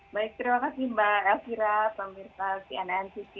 baik terima kasih mbak elvira pemirsa cnn tv